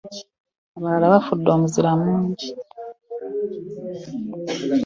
Abalala baafudde muzira mungi.